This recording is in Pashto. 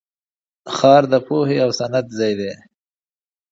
ښار د پوهې او صنعت ځای دی.